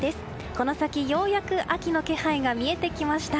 この先、ようやく秋の気配が見えてきました。